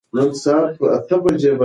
که زړه مو درزیږي کښینئ.